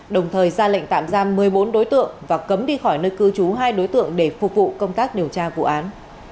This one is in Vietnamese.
đồng thời ra lệnh tạm giam một mươi bốn đối tượng và cấm đi khỏi nơi cư trú hai đối tượng để phục vụ công tác điều tra vụ án